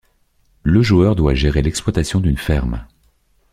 Le joueur doit gérer l'exploitation d'une ferme.